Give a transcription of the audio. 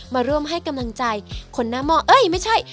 มาร่วมให้กำลังใจคนหน้าหม้อเอ้ยไม่ใช่